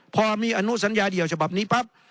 พอมีอนุสัญญาเดี่ยวฉบับนี้ปั๊บ